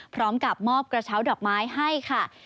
พร้อมกับมอบกระเช้าดอกไม้ให้ค่ะ